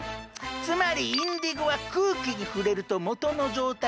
つまりインディゴは空気に触れると元の状態